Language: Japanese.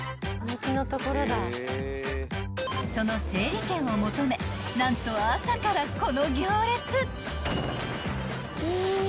［その整理券を求め何と朝からこの行列］